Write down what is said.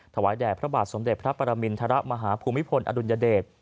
ถวายแด่พระบาทสมเด็จพระปรมินทรมาฮภูมิพลอดุลยเดช